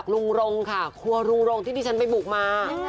ลุงรงค่ะครัวลุงรงที่ดิฉันไปบุกมา